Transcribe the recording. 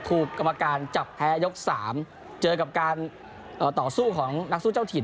กรรมการจับแพ้ยก๓เจอกับการต่อสู้ของนักสู้เจ้าถิ่น